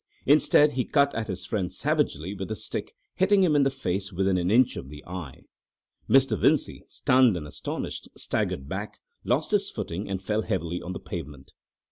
Instead, he cut at his friend savagely with the stick, hitting him in the face within an inch of the eye. Mr. Vincey, stunned and astonished, staggered back, lost his footing, and fell heavily on the pavement.